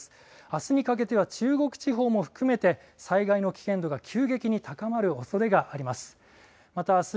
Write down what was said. あすにかけては中国地方も含めて災害の危険度が急激に高まるおそれがあります。